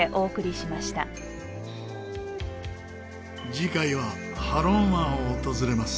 次回はハロン湾を訪れます。